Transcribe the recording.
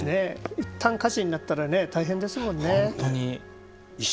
いったん火事になったら大変ですもんね。